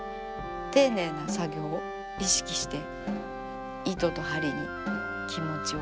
丁寧な作業を意識して糸と針に気持ちを。